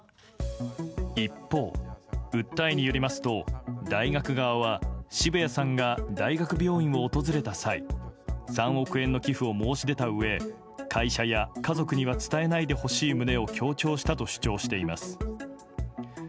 一方、訴えによりますと大学側は澁谷さんが大学病院を訪れた際３億円の寄付を申し出たうえ、会社や家族には伝えないでほしい旨を強調したと主張しています。